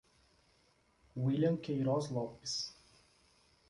Willian Queiroz Lopes